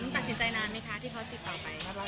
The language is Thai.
ตัดสินใจนานไหมคะที่เขาติดต่อไปรอบ